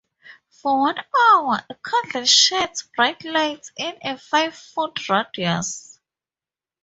For one hour, a candle sheds bright light in a five foot radius